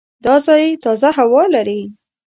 دا ځای تازه هوا لري.